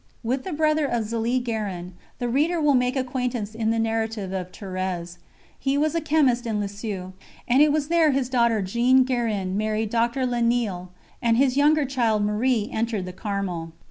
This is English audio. With the brother of Zélie Guérin the reader will make acquaintance in the narrative of Thérèse. He was a chemist in Lisieux, and it was there his daughter Jeanne Guérin married Dr. La Néele and his younger child Marie entered the Carmel.